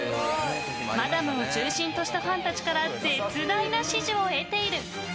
マダムを中心としたファンたちから絶大な支持を得ている。